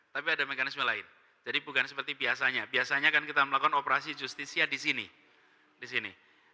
tapi ada mekanisme lain jadi bukan seperti biasanya biasanya kan kita melakukan operasi justisia di sini di sini